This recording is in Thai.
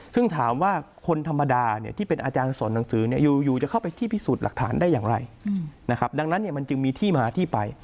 ซึ่งถามว่าคนธรรมดาเนี่ยที่เป็นอาจารย์สอนหนังสือเนี่ยอยู่จะเข้าไปที่พิสูจน์หลักฐานได้อย่างไรนะครับดังนั้นเนี่ยมันจึงมีที่มาที่ไป